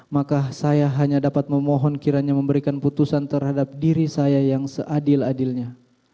maka saya hanya dapat memohon kiranya memberikan putusan terhadap diri saya yang seadil adilnya